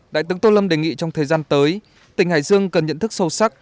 đại tướng tô lâm đề nghị trong thời gian tới tỉnh hải dương cần nhận thức sâu sắc